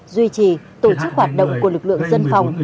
duy trì tổ chức hoạt động của lực lượng dân phòng